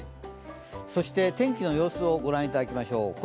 そして天気の様子をご覧いただきましょう。